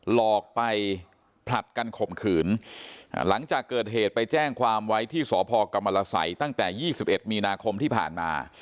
หลอกไปผลัดกันข่มขืนหลังจากเกิดเหตุไปแจ้งความไว้ที่สพกรรมรสัยตั้งแต่๒๑มีนาคมที่ผ่านมา